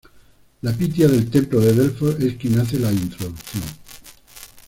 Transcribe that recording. La Pitia del templo de Delfos, es quien hace la introducción.